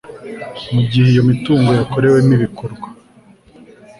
mu gihe iyo mitungo yakorewemo ibikorwa